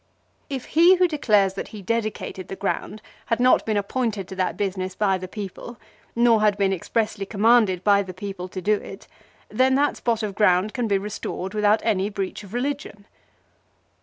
" If he who declares that he dedicated the ground had not been appointed to that business by the people, nor had been expressly commanded by the people to do it, then that spot of ground can be restored without any breach of religion."